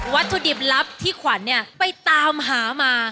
วัตถุดิบลับที่ขวัญไปตามหามา